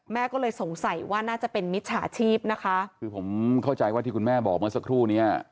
แม่ก็เลยสงสัยว่าน่าจะเป็นมิจฉาชีพนะคะคือผมเข้าใจว่าที่คุณแม่บอกเมื่อสักครู่เนี้ย